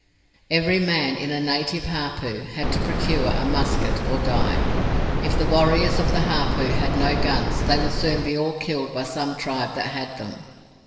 Every man in a native hapu had to procure a musket, or die. If the warriors of the hapu had no guns they would soon be all killed by some tribe that had them.